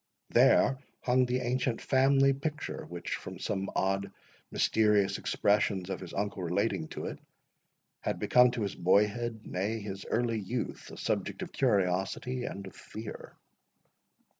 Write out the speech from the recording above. There hung the ancient family picture, which, from some odd mysterious expressions of his uncle relating to it, had become to his boyhood, nay, his early youth, a subject of curiosity and of fear.